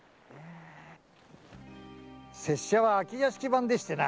拙者は空き屋敷番でしてな。